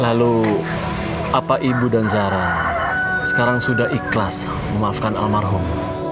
lalu apa ibu dan zara sekarang sudah ikhlas memaafkan almarhum